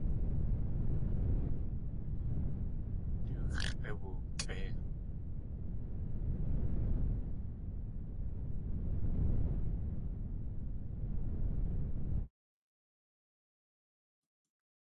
Du x̲ʼé wookʼéi.